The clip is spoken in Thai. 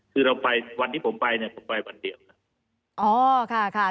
คือวันที่ผมไปผมไปวันเดียว